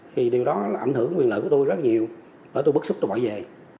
thì điều đó ảnh hưởng quyền lợi của tôi rất nhiều bởi tôi bức xúc tôi bỏ về